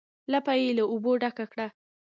لپه یې له اوبو ډکه کړه.